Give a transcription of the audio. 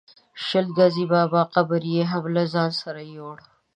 د شل ګزي بابا قبر یې هم له ځانه سره یووړ.